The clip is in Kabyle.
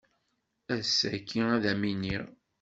Ass-agi ad am-iniɣ.